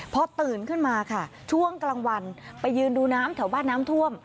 พอตื่นขึ้นมาค่ะช่วงกลางวันไปยืนดูน้ำแถวบ้านน้ำท่วม